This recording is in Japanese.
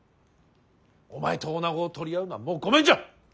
お前と女子を取り合うのはもうごめんじゃ。